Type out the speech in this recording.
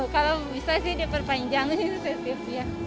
kalau bisa sih diperpanjangin suv nya